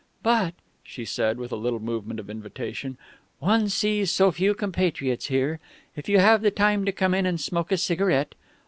"'But,' she said with a little movement of invitation, 'one sees so few compatriots here if you have the time to come in and smoke a cigarette